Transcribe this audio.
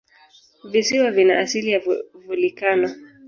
Visiwa vina asili ya volikano.